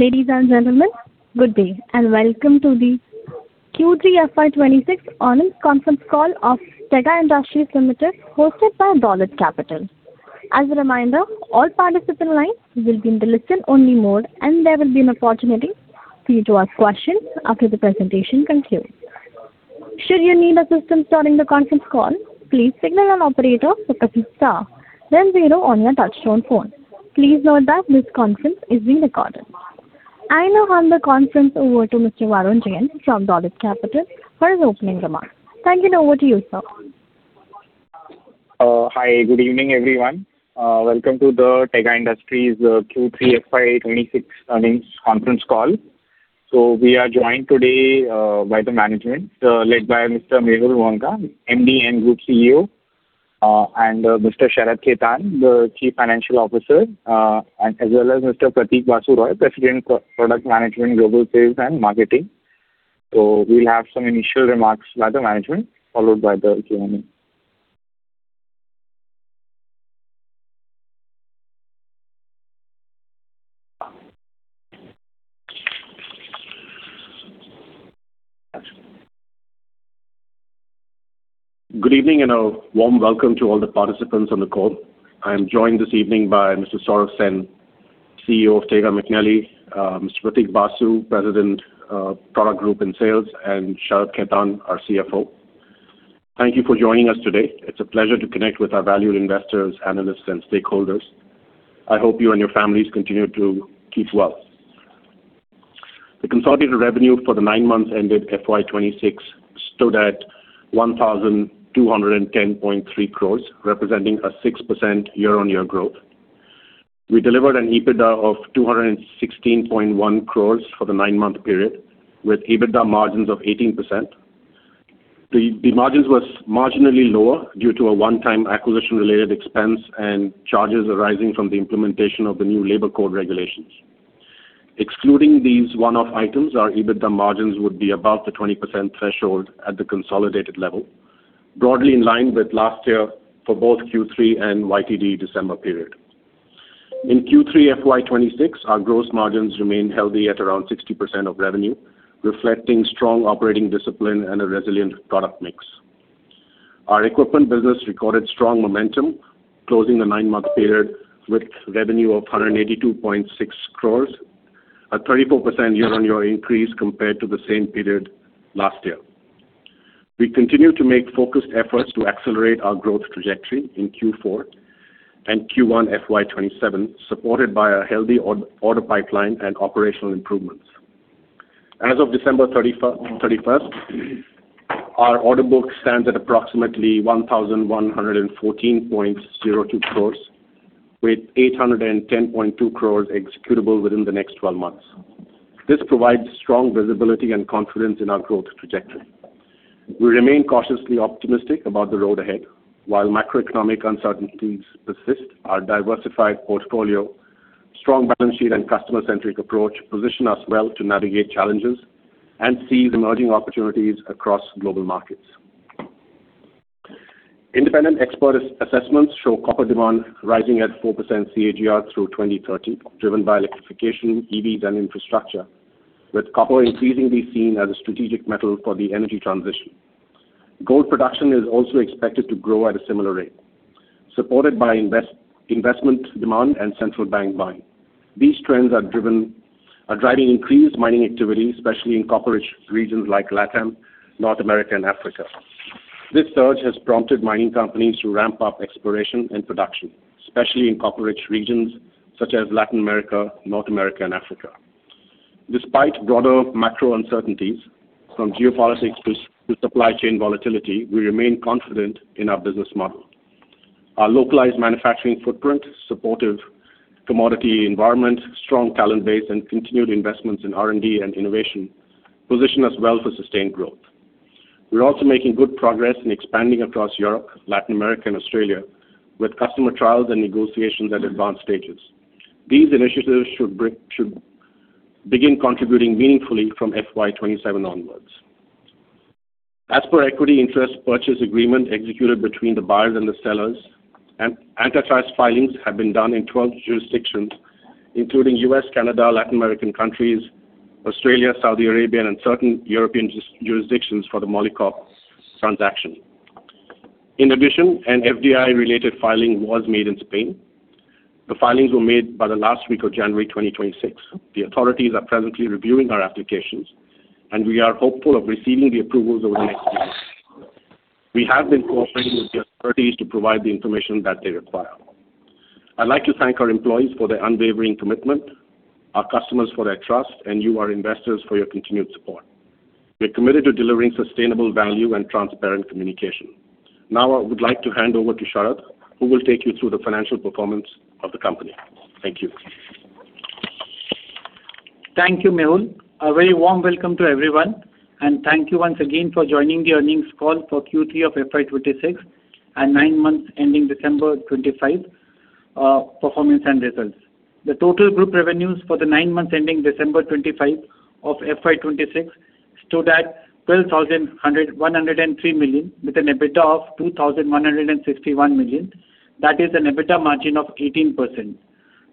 Ladies and gentlemen, good day, and welcome to the Q3 FY26 earnings conference call of Tega Industries Limited, hosted by Dolat Capital. As a reminder, all participants in line will be in the listen-only mode, and there will be an opportunity for you to ask questions after the presentation concludes. Should you need assistance during the conference call, please signal an operator with the star then zero on your touchtone phone. Please note that this conference is being recorded. I now hand the conference over to Mr. Varun Jain from Dolat Capital for his opening remarks. Thank you, and over to you, sir. Hi, good evening, everyone. Welcome to the Tega Industries Q3 FY 26 earnings conference call. We are joined today by the management led by Mr. Mehul Mohanka, MD and Group CEO, and Mr. Sharad Khaitan, the Chief Financial Officer, and as well as Mr. Pratik Basu Roy, President for Product Management, Global Sales and Marketing. We'll have some initial remarks by the management, followed by the Q&A. Good evening, and a warm welcome to all the participants on the call. I'm joined this evening by Mr. Sourav Sen, CEO of Tega McNally, Mr. Pratik Basu Roy, President, Product Group and Sales, and Sharad Kumar Khaitan, our CFO. Thank you for joining us today. It's a pleasure to connect with our valued investors, analysts, and stakeholders. I hope you and your families continue to keep well. The consolidated revenue for the nine months ended FY 2026 stood at 1,210.3 crores, representing a 6% year-on-year growth. We delivered an EBITDA of 216.1 crores for the nine-month period, with EBITDA margins of 18%. The margins was marginally lower due to a one-time acquisition-related expense and charges arising from the implementation of the new labor code regulations. Excluding these one-off items, our EBITDA margins would be above the 20% threshold at the consolidated level, broadly in line with last year for both Q3 and YTD December period. In Q3 FY 2026, our gross margins remained healthy at around 60% of revenue, reflecting strong operating discipline and a resilient product mix. Our equipment business recorded strong momentum, closing the nine-month period with revenue of 182.6 crores, a 34% year-on-year increase compared to the same period last year. We continue to make focused efforts to accelerate our growth trajectory in Q4 and Q1 FY 2027, supported by a healthy order pipeline and operational improvements. As of December 31st, our order book stands at approximately 1,114.02 crores, with 810.2 crores executable within the next 12 months. This provides strong visibility and confidence in our growth trajectory. We remain cautiously optimistic about the road ahead. While macroeconomic uncertainties persist, our diversified portfolio, strong balance sheet, and customer-centric approach position us well to navigate challenges and seize emerging opportunities across global markets. Independent expert assessments show copper demand rising at 4% CAGR through 2030, driven by electrification, EVs, and infrastructure, with copper increasingly seen as a strategic metal for the energy transition. Gold production is also expected to grow at a similar rate, supported by investment demand and central bank buying. These trends are driving increased mining activity, especially in copper-rich regions like LATAM, North America, and Africa. This surge has prompted mining companies to ramp up exploration and production, especially in copper-rich regions such as Latin America, North America, and Africa. Despite broader macro uncertainties, from geopolitics to supply chain volatility, we remain confident in our business model. Our localized manufacturing footprint, supportive commodity environment, strong talent base, and continued investments in R&D and innovation position us well for sustained growth. We're also making good progress in expanding across Europe, Latin America, and Australia, with customer trials and negotiations at advanced stages. These initiatives should begin contributing meaningfully from FY 2027 onwards. As per equity interest purchase agreement executed between the buyers and the sellers, antitrust filings have been done in 12 jurisdictions, including U.S., Canada, Latin American countries, Australia, Saudi Arabia, and certain European jurisdictions for the Molycop transaction. In addition, an FDI-related filing was made in Spain. The filings were made by the last week of January 2026. The authorities are presently reviewing our applications, and we are hopeful of receiving the approvals over the next few months. We have been cooperating with the authorities to provide the information that they require. I'd like to thank our employees for their unwavering commitment, our customers for their trust, and you, our investors, for your continued support. We're committed to delivering sustainable value and transparent communication. Now I would like to hand over to Sharad, who will take you through the financial performance of the company. Thank you. Thank you, Mehul. A very warm welcome to everyone, and thank you once again for joining the earnings call for Q3 of FY 2026 and nine months ending December 2025, performance and results. The total group revenues for the nine months ending December 2025 of FY 2026 stood at 12,103 million, with an EBITDA of 2,161 million. That is an EBITDA margin of 18%.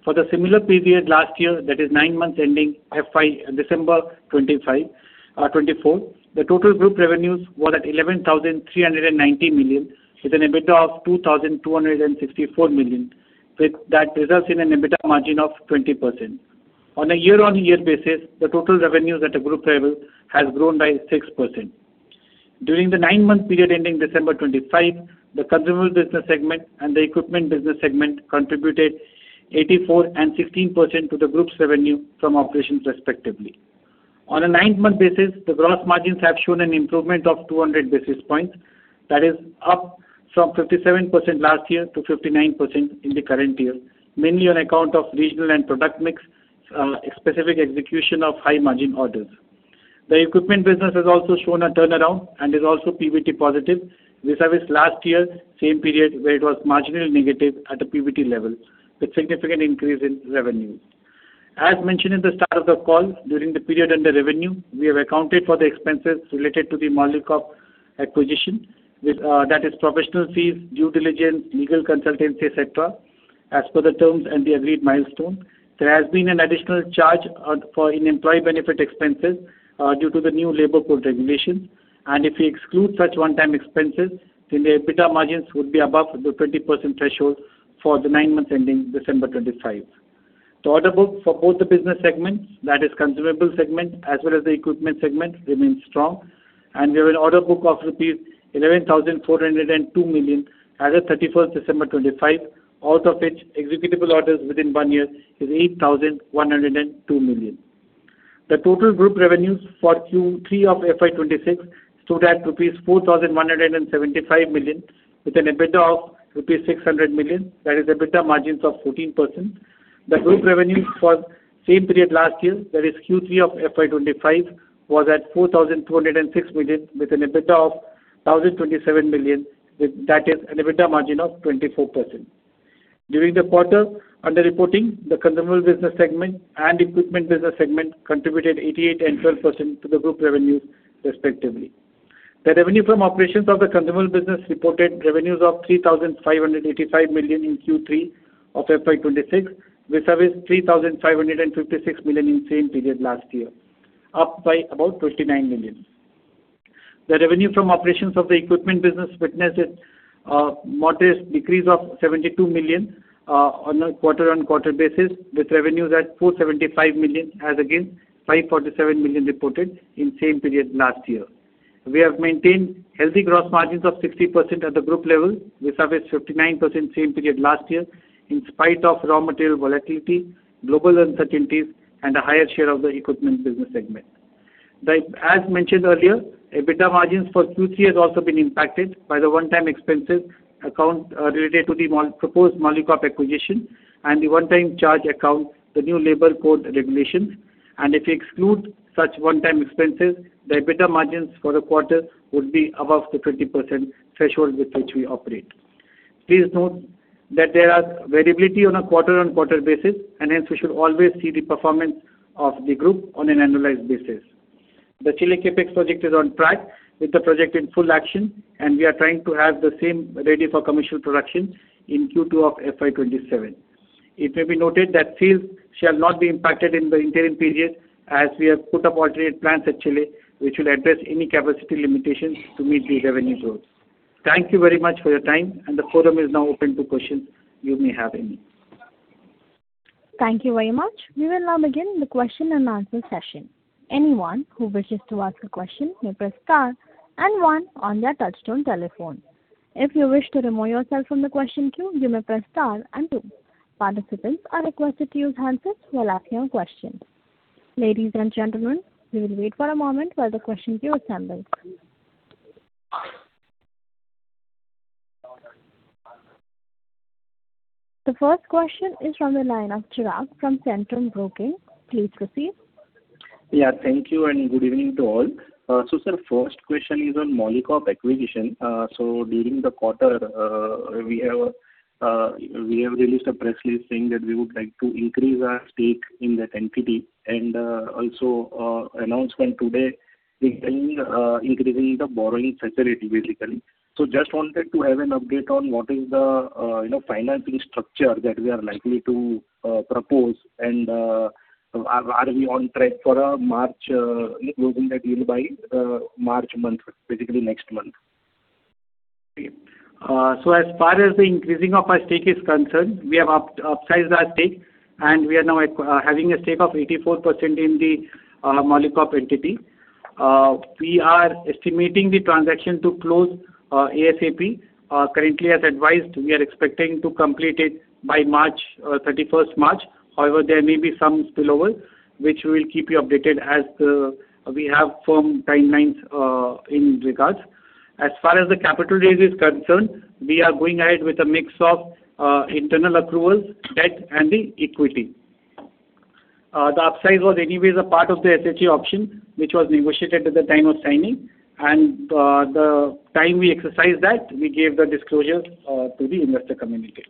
For the similar period last year, that is nine months ending FY December 2025, twenty-four, the total group revenues were at 11,390 million, with an EBITDA of 2,264 million, with that results in an EBITDA margin of 20%. On a year-on-year basis, the total revenues at a group level has grown by 6%. During the nine-month period ending December 2025, the consumables business segment and the equipment business segment contributed 84% and 16% to the group's revenue from operations respectively. On a nine-month basis, the gross margins have shown an improvement of 200 basis points. That is up from 57% last year to 59% in the current year, mainly on account of regional and product mix, specific execution of high-margin orders. The equipment business has also shown a turnaround and is also PBT positive, vis-à-vis last year, same period, where it was marginally negative at a PBT level, with significant increase in revenue. As mentioned at the start of the call, during the period under review, we have accounted for the expenses related to the Molycop acquisition, with, that is, professional fees, due diligence, legal consultancy, et cetera, as per the terms and the agreed milestone. There has been an additional charge for an increase in employee benefit expenses due to the new labor code regulations, and if we exclude such one-time expenses, then the EBITDA margins would be above the 20% threshold for the nine months ending December 2025. The order book for both the business segments, that is consumables segment as well as the equipment segment, remains strong, and we have an order book of rupees 11,402 million as of 31 December 2025, out of which executable orders within one year is 8,102 million. The total group revenues for Q3 of FY 2026 stood at rupees 4,175 million, with an EBITDA of rupees 600 million, that is EBITDA margins of 14%. The group revenues for same period last year, that is Q3 of FY 2025, was at 4,206 million, with an EBITDA of 1,027 million, with that is an EBITDA margin of 24%. During the quarter under reporting, the consumables business segment and equipment business segment contributed 88% and 12% to the group revenues, respectively. The revenue from operations of the consumables business reported revenues of 3,585 million in Q3 of FY 2026, vis-à-vis 3,556 million in same period last year, up by about 29 million. The revenue from operations of the equipment business witnessed a modest decrease of 72 million on a quarter-on-quarter basis, with revenues at 475 million, as against 547 million reported in same period last year. We have maintained healthy gross margins of 60% at the group level, vis-à-vis 59% same period last year, in spite of raw material volatility, global uncertainties, and a higher share of the equipment business segment. As mentioned earlier, EBITDA margins for Q3 has also been impacted by the one-time expenses account related to the proposed Molycop acquisition, and the one-time charge account the new labor code regulations. And if you exclude such one-time expenses, the EBITDA margins for the quarter would be above the 20% threshold with which we operate. Please note that there are variability on a quarter-on-quarter basis, and hence we should always see the performance of the group on an annualized basis. The Chile CapEx project is on track, with the project in full action, and we are trying to have the same ready for commercial production in Q2 of FY 2027. It may be noted that sales shall not be impacted in the interim period, as we have put up alternate plants at Chile, which will address any capacity limitations to meet the revenue growth. Thank you very much for your time, and the forum is now open to questions you may have any. Thank you very much. We will now begin the question and answer session. Anyone who wishes to ask a question may press star and one on their touchtone telephone. If you wish to remove yourself from the question queue, you may press star and two. Participants are requested to use handsets while asking questions. Ladies and gentlemen, we will wait for a moment while the question queue assembles. The first question is from the line of Chirag from Centrum Broking. Please proceed. Yeah, thank you, and good evening to all. So sir, first question is on Molycop acquisition. So during the quarter, we have released a press release saying that we would like to increase our stake in that entity, and also announcement today regarding increasing the borrowing facility, basically. So just wanted to have an update on what is the, you know, financing structure that we are likely to propose, and are we on track for a March closing the deal by March month, basically next month? So as far as the increasing of our stake is concerned, we have upsized our stake, and we are now having a stake of 84% in the Molycop entity. We are estimating the transaction to close ASAP. Currently, as advised, we are expecting to complete it by March 31st. However, there may be some spillover, which we will keep you updated as we have firm timelines in regards. As far as the capital raise is concerned, we are going ahead with a mix of internal accruals, debt, and the equity. The upsize was anyways a part of the Shoe option, which was negotiated at the time of signing, and the time we exercised that, we gave the disclosure to the investor community.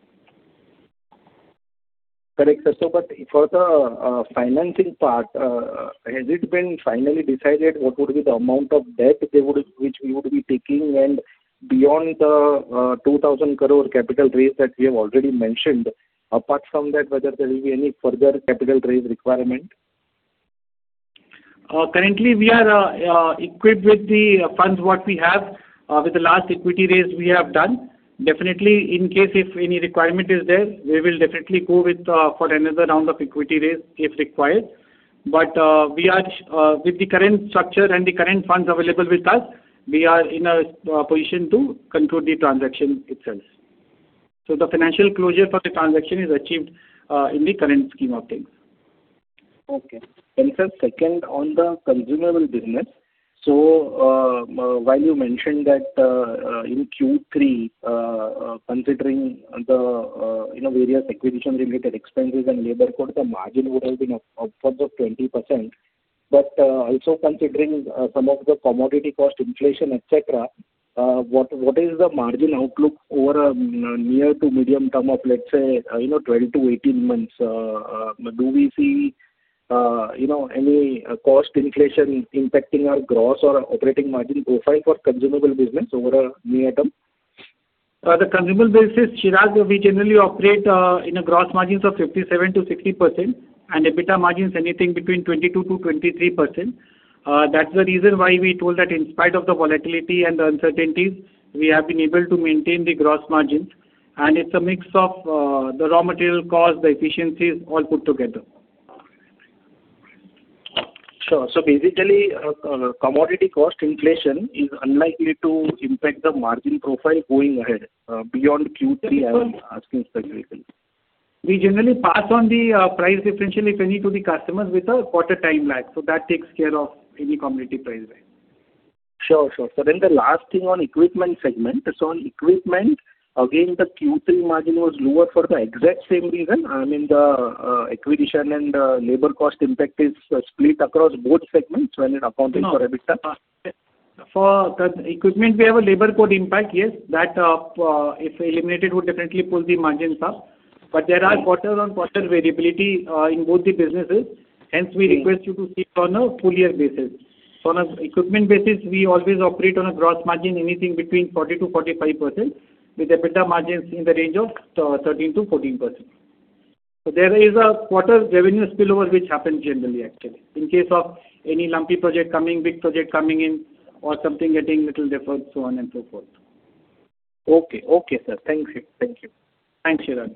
Correct, sir. So but for the, financing part, has it been finally decided what would be the amount of debt they would, which we would be taking, and beyond the, 2,000 crore capital raise that we have already mentioned, apart from that, whether there will be any further capital raise requirement? Currently we are equipped with the funds what we have with the last equity raise we have done. Definitely, in case if any requirement is there, we will definitely go with for another round of equity raise, if required. But we are with the current structure and the current funds available with us, we are in a position to conclude the transaction itself. So the financial closure for the transaction is achieved in the current scheme of things. Okay. And sir, second, on the consumable business, so, while you mentioned that, in Q3, considering the, you know, various acquisition related expenses and labor code, the margin would have been up, up for the 20%. But, also considering, some of the commodity cost inflation, et cetera, what, what is the margin outlook over, near to medium term of, let's say, you know, 12-18 months? Do we see, you know, any cost inflation impacting our gross or operating margin profile for consumable business over a near term? The consumable business, Chirag, we generally operate in a gross margins of 57%-60%, and EBITDA margins anything between 22%-23%. That's the reason why we told that in spite of the volatility and the uncertainties, we have been able to maintain the gross margins, and it's a mix of the raw material cost, the efficiencies, all put together. Sure. So basically, commodity cost inflation is unlikely to impact the margin profile going ahead, beyond Q3. I'm asking specifically. We generally pass on the price differential, if any, to the customers with a quarter time lag, so that takes care of any commodity price rise. Sure, sure. So then the last thing on equipment segment. So on equipment, again, the Q3 margin was lower for the exact same reason. I mean, the acquisition and labor cost impact is split across both segments when it accounted for EBITDA. For the equipment, we have a labor code impact, yes. That, if eliminated, would definitely pull the margins up. But there are quarter-on-quarter variability, in both the businesses, hence, we request you to see it on a full year basis. So on an equipment basis, we always operate on a gross margin, anything between 40%-45%, with EBITDA margins in the range of 13%-14%. So there is a quarter revenue spillover which happens generally, actually, in case of any lumpy project coming, big project coming in, or something getting little deferred, so on and so forth. Okay. Okay, sir. Thank you. Thanks, Chirag.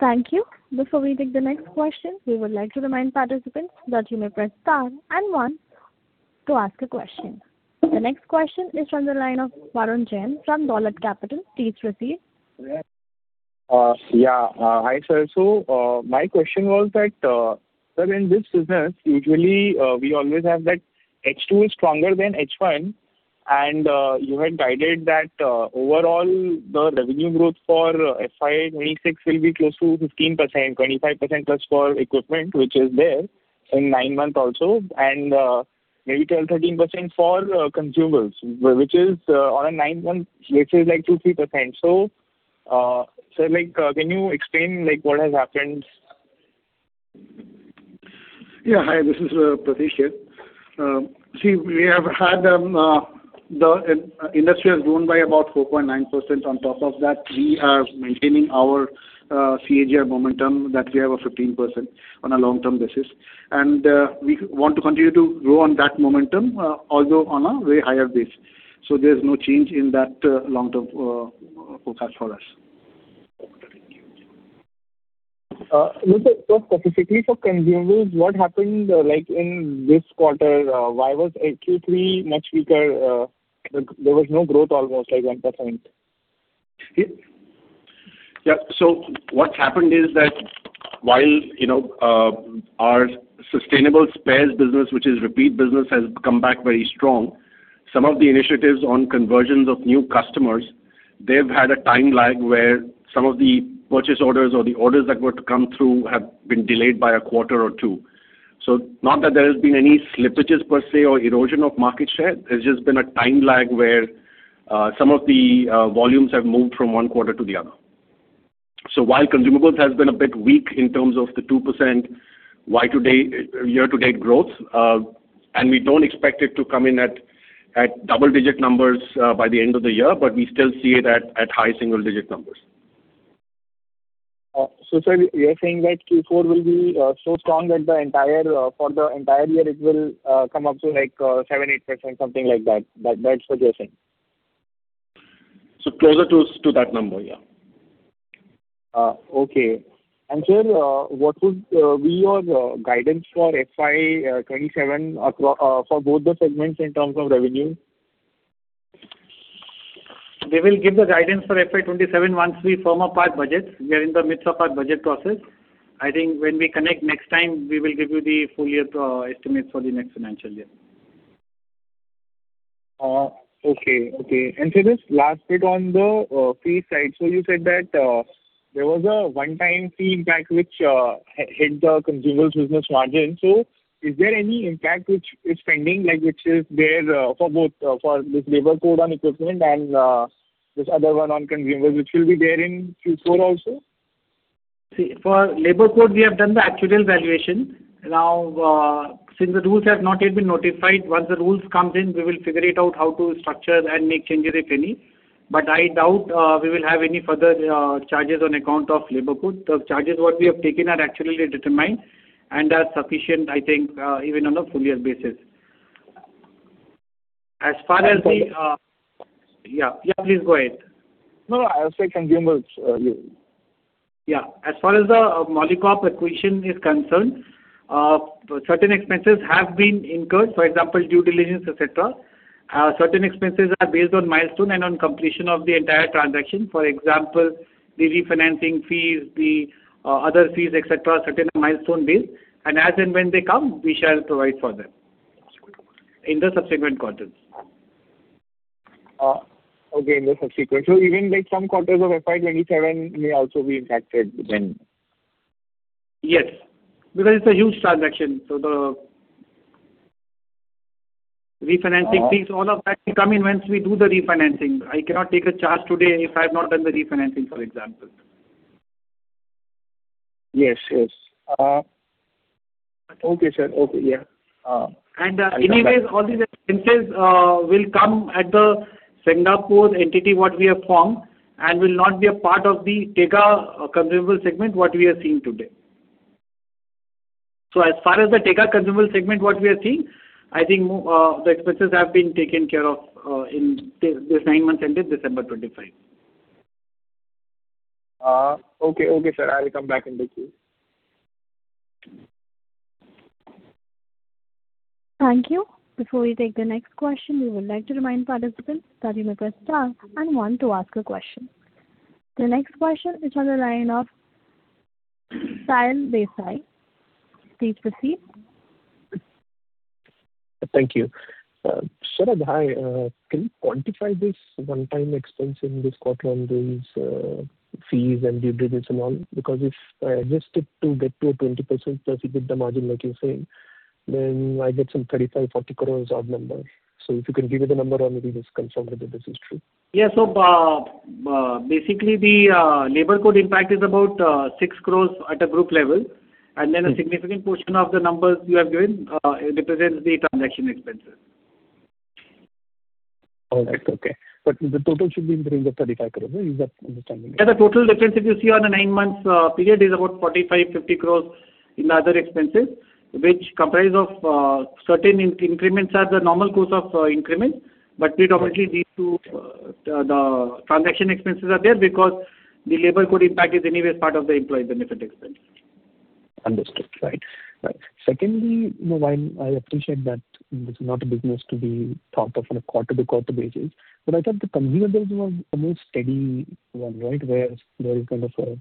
Thank you. Before we take the next question, we would like to remind participants that you may press star and one to ask a question. The next question is from the line of Varun Jain from Dolat Capital. Please proceed. Yeah. Hi, sir. So, my question was that, sir, in this business, usually, we always have that H2 is stronger than H1, and, you had guided that, overall the revenue growth for FY 2026 will be close to 15%, 25%+ for equipment, which is there in nine months also, and, maybe 10%-13% for consumables, which is, on a nine-month, which is like 2%-3%. So, sir, like, can you explain, like, what has happened? Yeah. Hi, this is Pratik here. See, we have had the industry has grown by about 4.9%. On top of that, we are maintaining our CAGR momentum, that we have a 15% on a long-term basis. We want to continue to grow on that momentum, although on a very higher base. So there's no change in that long-term forecast for us. Okay, thank you. Sir, specifically for consumables, what happened, like, in this quarter? There was no growth, almost like 1%. Yeah. So what happened is that while, you know, our sustainable spares business, which is repeat business, has come back very strong, some of the initiatives on conversions of new customers, they've had a time lag where some of the purchase orders or the orders that were to come through have been delayed by a quarter or two. So not that there has been any slippages per se, or erosion of market share, it's just been a time lag where some of the volumes have moved from one quarter to the other. So while consumables has been a bit weak in terms of the 2% YTD, year-to-date growth, and we don't expect it to come in at double-digit numbers by the end of the year, but we still see it at high single-digit numbers. So, sir, you are saying that Q4 will be so strong that for the entire year, it will come up to like seven to 8%, something like that? That's the guessing. So closer to that number, yeah. Okay. Sir, what would be your guidance for FY 27 across for both the segments in terms of revenue? We will give the guidance for FY27 once we form our part budgets. We are in the midst of our budget process. I think when we connect next time, we will give you the full year estimates for the next financial year. Okay. And sir, just last bit on the fee side. So you said that there was a one-time fee impact which hit the consumables business margin. So is there any impact which is pending, like, which is there for both, for this labor code on equipment and this other one on consumables, which will be there in Q4 also? See, for labor code, we have done the actuarial valuation. Now, since the rules have not yet been notified, once the rules comes in, we will figure it out how to structure and make changes, if any. But I doubt, we will have any further, charges on account of labor code. The charges what we have taken are actually determined and are sufficient, I think, even on a full year basis. As far as the. Yeah. Yeah, please go ahead. No, no, I was saying consumables, yeah. Yeah. As far as the, Molycop acquisition is concerned, certain expenses have been incurred, for example, due diligence, et cetera. Certain expenses are based on milestone and on completion of the entire transaction. For example, the refinancing fees, the, other fees, et cetera, certain milestone based. And as and when they come, we shall provide for them in the subsequent quarters. Okay, in the subsequent. So even like some quarters of FY 2027 may also be impacted then? Yes, because it's a huge transaction, so the refinancing fees, all of that will come in once we do the refinancing. I cannot take a charge today if I have not done the refinancing, for example. Yes, yes. Okay, sir. Okay, yeah. Anyways, all these expenses will come at the Singapore entity what we have formed, and will not be a part of the Tega consumable segment what we are seeing today. So as far as the Tega consumable segment what we are seeing, I think the expenses have been taken care of in this nine months ended December 25. Okay. Okay, sir. I will come back and with you. Thank you. Before we take the next question, we would like to remind participants that you may press star and one to ask a question. The next question is on the line of [Sayan Desai]. Please proceed. Thank you. Saurabh, hi. Can you quantify this one-time expense in this quarter on these fees and due diligence and all? Because if I adjust it to get to a 20%+ EBITDA margin, like you're saying, then I get some 35-40 crore odd number. So if you can give me the number, or maybe this confirms that this is true. Yeah. So, basically, the labor code impact is about 6 crores at a group level. And then a significant portion of the numbers you have given represents the transaction expenses. All right. Okay. But the total should be in the range of 35 crore? Is that understanding? Yeah, the total difference, if you see on a 9 months period, is about 45-50 crore in the other expenses, which comprise of certain increments are the normal course of increment. Okay. But predominantly, these two, the transaction expenses are there because the labor code impact is anyway part of the employee benefit expense. Understood. Right. Right. Secondly, you know, while I appreciate that this is not a business to be thought of on a quarter-by-quarter basis, but I thought the consumables was a more steady one, right? Where there is kind of a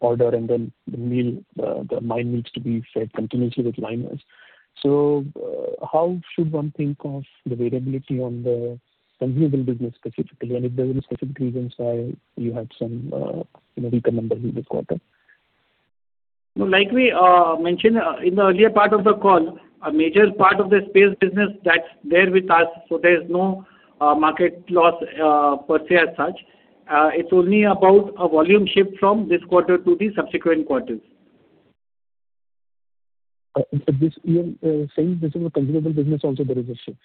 order, and then the mill, the mine needs to be fed continuously with liners. So, how should one think of the variability on the consumable business specifically, and if there are any specific reasons why you had some, you know, weaker number in this quarter? No, like we mentioned in the earlier part of the call, a major part of the spares business that's there with us, so there's no market loss per se as such. It's only about a volume shift from this quarter to the subsequent quarters. But this, you saying this is a consumable business also, there is a shift?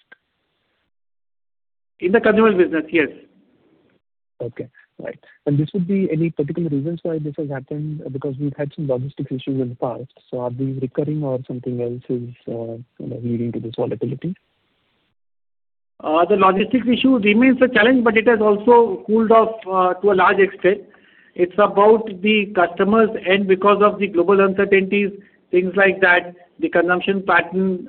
In the consumable business, yes. Okay. Right. And this would be any particular reasons why this has happened? Because we've had some logistics issues in the past. So are these recurring or something else is, you know, leading to this volatility? The logistics issue remains a challenge, but it has also cooled off to a large extent. It's about the customers, and because of the global uncertainties, things like that, the consumption pattern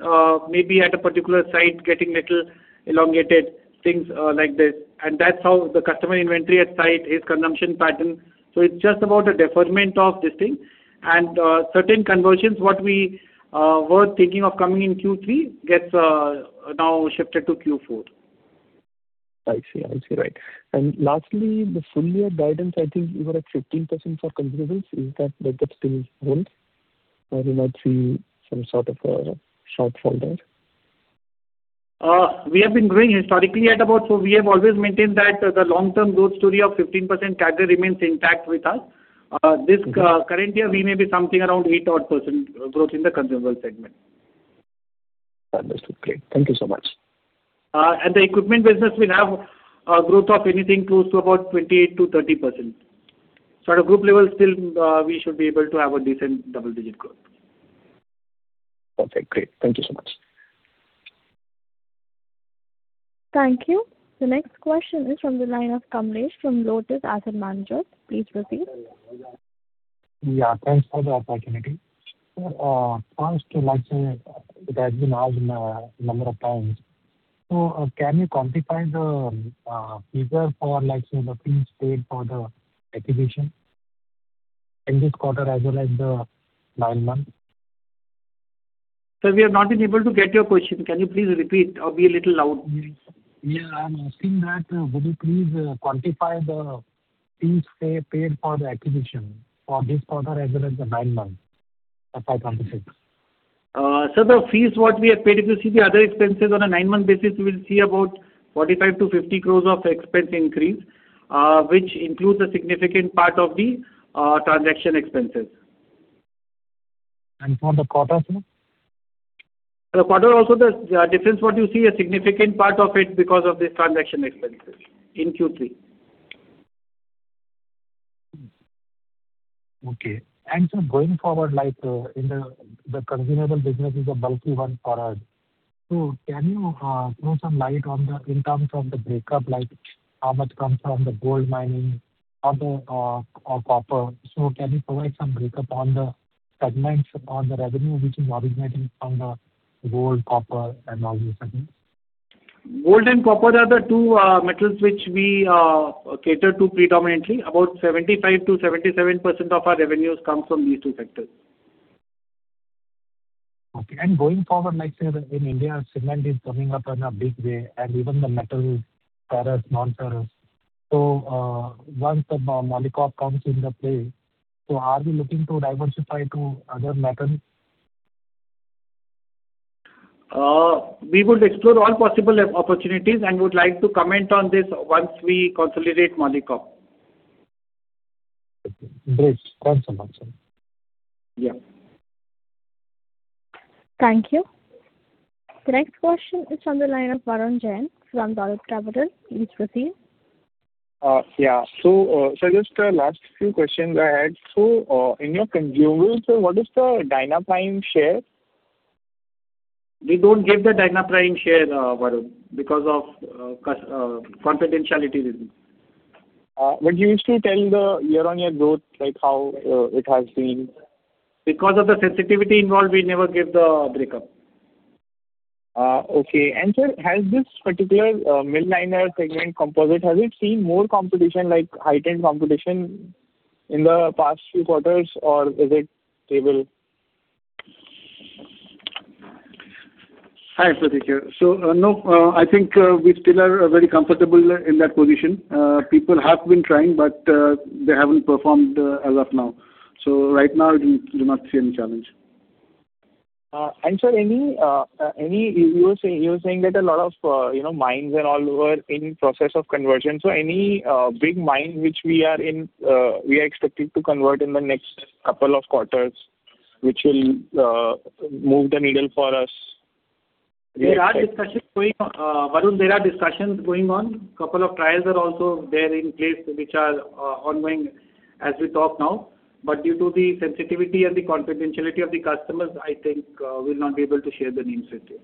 maybe at a particular site getting little elongated, things like this. And that's how the customer inventory at site, his consumption pattern. So it's just about a deferment of this thing. And certain conversions, what we were thinking of coming in Q3 gets now shifted to Q4. I see. I see. Right. And lastly, the full year guidance, I think you were at 15% for consumables. Is that, does that still hold? Or do you not see some sort of a shortfall there? We have been growing historically at about. So we have always maintained that the long-term growth story of 15% CAGR remains intact with us. Okay. This current year, we may be something around eight to 12% growth in the consumable segment. Understood. Great. Thank you so much. The equipment business will have a growth of anything close to about 20%-30%. At a group level, still, we should be able to have a decent double-digit growth. Okay, great. Thank you so much. Thank you. The next question is from the line of Kamlesh from Lotus Asset Management. Please proceed. Yeah, thanks for the opportunity. First, to like say, it has been asked a number of times. So can you quantify the figure for, like, say, the fees paid for the acquisition in this quarter, as well as the nine months? Sir, we have not been able to get your question. Can you please repeat or be a little loud? Yeah, I'm asking that, would you please, quantify the fees, say, paid for the acquisition for this quarter as well as the nine months of FY 2026? So the fees what we have paid, if you see the other expenses on a nine-month basis, we will see about 45 crore-50 crore of expense increase, which includes a significant part of the transaction expenses. For the quarter, sir? The quarter also, the difference what you see, a significant part of it because of the transaction expenses in Q3. Okay. And so going forward, like, in the consumable business is a bulky one for us. So can you throw some light on the, in terms of the breakup, like how much comes from the gold mining, other, or copper? So can you provide some breakup on the segments on the revenue which is originating from the gold, copper, and other segments? Gold and copper are the two metals which we cater to predominantly. About 75%-77% of our revenues comes from these two sectors. Okay. Going forward, like, say, in India, cement is coming up in a big way, and even the metal, ferrous, non-ferrous. Once the Molycop comes into play, so are we looking to diversify to other metals? We would explore all possible opportunities and would like to comment on this once we consolidate Molycop. Great. Thanks so much, sir. Yeah. Thank you. The next question is on the line of Varun Jain from Dolat Capital. Please proceed. Yeah. So, just last few questions I had. So, in your consumables, what is the DynaPrime share? We don't give the DynaPrime share, Varun, because of confidentiality reasons. But you used to tell the year-on-year growth, like how it has been. Because of the sensitivity involved, we never give the breakup. Okay. And, sir, has this particular mill liner segment composite, has it seen more competition, like heightened competition in the past few quarters, or is it stable? Hi, Pratik here. So, no, I think, we still are very comfortable in that position. People have been trying, but, they haven't performed, as of now. So right now, we do not see any challenge. You were saying that a lot of you know, mines and all were in process of conversion. So any big mine which we are in, we are expecting to convert in the next couple of quarters, which will move the needle for us? There are discussions going on. Varun, there are discussions going on. Couple of trials are also there in place, which are, ongoing as we talk now. But due to the sensitivity and the confidentiality of the customers, I think, we'll not be able to share the names with you.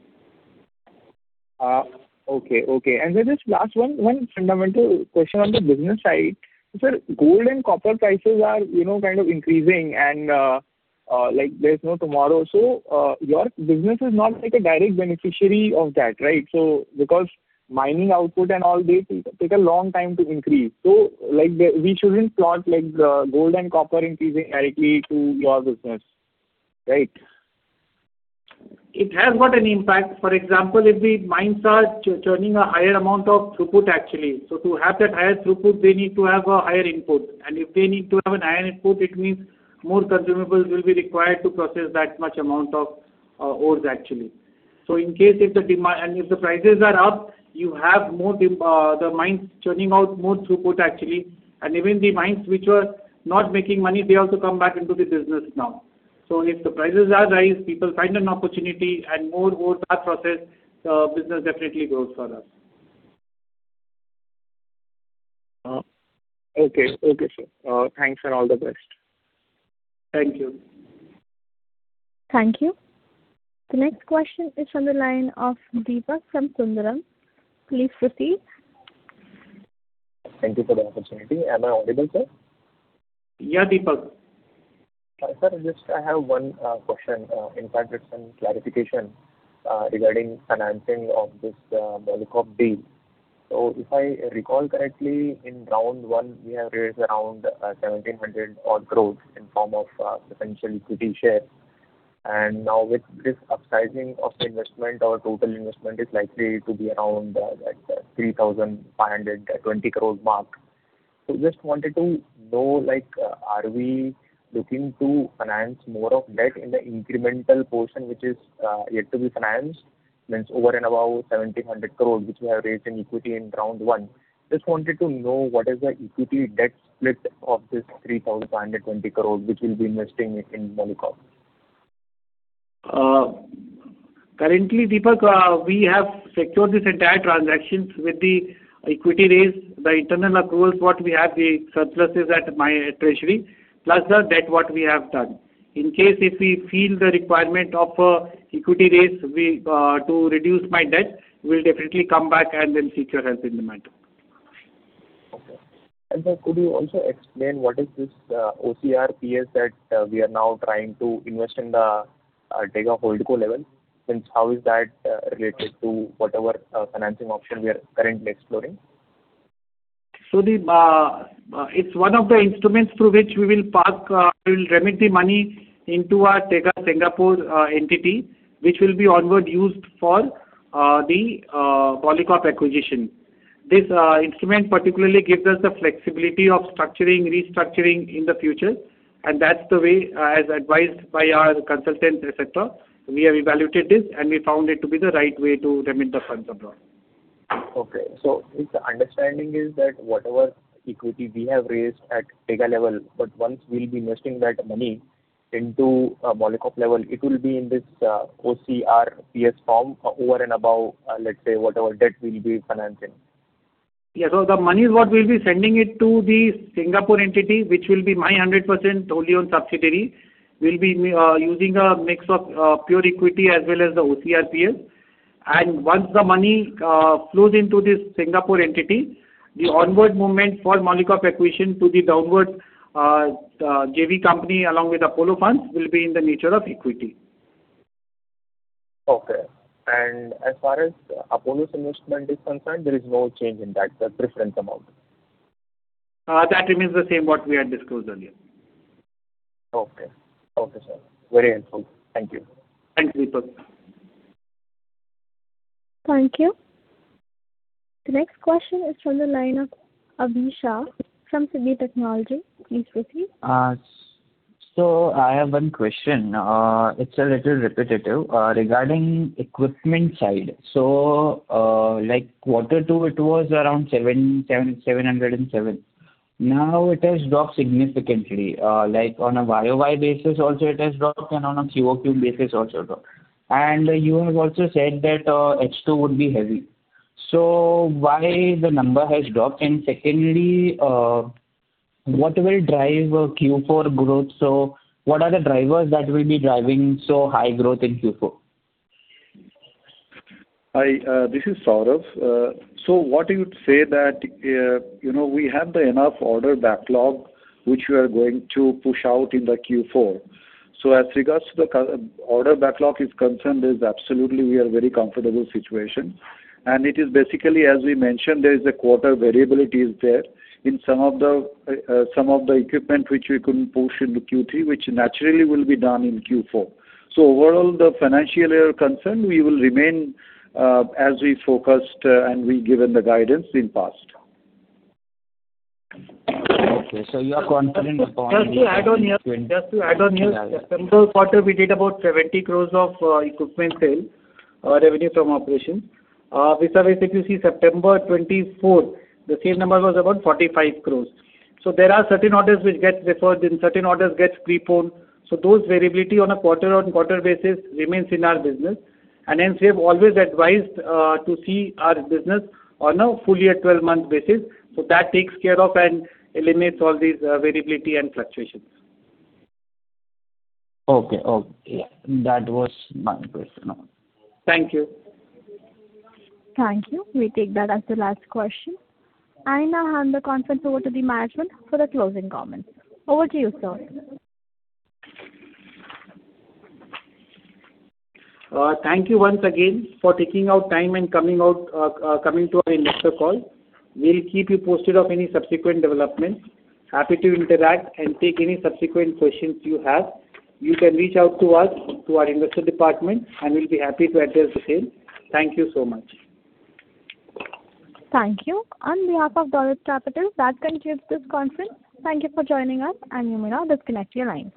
Okay, okay. And then just last one, one fundamental question on the business side. Sir, gold and copper prices are, you know, kind of increasing and, like there's no tomorrow. So, your business is not like a direct beneficiary of that, right? So because mining output and all this take a long time to increase. So like, we shouldn't plot like the gold and copper increasing directly to your business, right? It has got an impact. For example, if the mines are churning a higher amount of throughput actually, so to have that higher throughput, they need to have a higher input. And if they need to have a higher input, it means more consumables will be required to process that much amount of ores actually. So in case if the demand and if the prices are up, you have more, the mines churning out more throughput actually. And even the mines which were not making money, they also come back into the business now. So if the prices are raised, people find an opportunity and more ores are processed, business definitely grows for us. Okay, sir. Thanks and all the best. Thank you. Thank you. The next question is on the line of Deepak from Sundaram. Please proceed. Thank you for the opportunity. Am I audible, sir? Yeah, Deepak. Sir, just I have one question, in fact, it's some clarification regarding financing of this Molycop deal. So if I recall correctly, in round one, we have raised around 1,700 odd crore in form of potential equity share. And now with this upsizing of the investment, our total investment is likely to be around, like, 3,520 crore mark. So just wanted to know, like, are we looking to finance more of debt in the incremental portion, which is yet to be financed, means over and above 1,700 crore, which we have raised in equity in round one? Just wanted to know what is the equity-debt split of this 3,520 crore, which we'll be investing in, in Molycop. Currently, Deepak, we have secured this entire transactions with the equity raise, the internal accruals, what we have, the surpluses at my treasury, plus the debt, what we have done. In case if we feel the requirement of, equity raise, we, to reduce my debt, we'll definitely come back and then seek your help in the matter. Okay. Sir, could you also explain what is this OCRPS that we are now trying to invest in the Tega HoldCo level? Since how is that related to whatever financing option we are currently exploring? So it's one of the instruments through which we will park, we'll remit the money into our Tega Singapore entity, which will be onward used for the Molycop acquisition. This instrument particularly gives us the flexibility of structuring, restructuring in the future, and that's the way, as advised by our consultant, etc. We have evaluated this, and we found it to be the right way to remit the funds abroad. Okay. So if the understanding is that whatever equity we have raised at Tega level, but once we'll be investing that money into, Molycop level, it will be in this, OCRPS form over and above, let's say, whatever debt we'll be financing? Yeah. So the money is what we'll be sending it to the Singapore entity, which will be my 100% wholly owned subsidiary. We'll be using a mix of pure equity as well as the OCRPS. And once the money flows into this Singapore entity, the onward movement for Molycop acquisition to the downward JV company, along with Apollo funds, will be in the nature of equity. Okay. As far as Apollo's investment is concerned, there is no change in that, the preference amount? That remains the same, what we had disclosed earlier. Okay. Okay, sir. Very helpful. Thank you. Thank you. Thank you. The next question is from the line of Abhi Shah from City Technology. Please proceed. So I have one question, it's a little repetitive, regarding equipment side. So, like quarter two, it was around 777.7. Now it has dropped significantly, like on a YOY basis also it has dropped, and on a QoQ basis also dropped. And you have also said that H2 would be heavy. So why the number has dropped? And secondly, what will drive Q4 growth? So what are the drivers that will be driving so high growth in Q4? I, this is Sourav. So what you would say that, you know, we have the enough order backlog, which we are going to push out in the Q4. So as regards to the order backlog is concerned, is absolutely we are very comfortable situation. And it is basically, as we mentioned, there is a quarter variability is there in some of the, some of the equipment which we couldn't push into Q3, which naturally will be done in Q4. So overall, the financial year concerned, we will remain, as we focused, and we've given the guidance in past. Okay, so you are confident upon? Just to add on here, just to add on here, September quarter, we did about 70 crore of equipment sale revenue from operation. If I basically see September 2024, the same number was about 45 crore. So there are certain orders which get deferred, and certain orders get preponed. So those variability on a quarter-on-quarter basis remains in our business. And hence, we have always advised to see our business on a fully at 12-month basis. So that takes care of and eliminates all these variability and fluctuations. Okay. That was my question. Thank you. Thank you. We take that as the last question. I now hand the conference over to the management for the closing comments. Over to you, sir. Thank you once again for taking out time and coming out, coming to our investor call. We'll keep you posted of any subsequent developments. Happy to interact and take any subsequent questions you have. You can reach out to us, to our investor department, and we'll be happy to address the same. Thank you so much. Thank you. On behalf of Dolat Capital, that concludes this conference. Thank you for joining us, and you may now disconnect your lines.